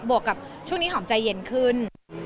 วกกับช่วงนี้หอมใจเย็นขึ้น